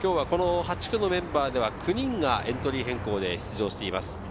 ８区のメンバーでは９人がエントリー変更で出場しています。